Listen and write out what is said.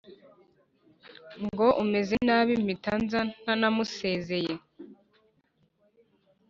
ngo umeze nabi mpitanza ntanamusezeye.".